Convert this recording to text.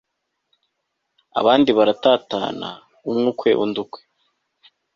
abandi baratatana umwe ukwe undi ukwe